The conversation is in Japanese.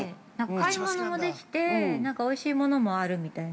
◆買い物もできて、なんかおいしいものもあるみたいな。